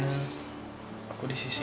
socially negatifnya korup dulu wedding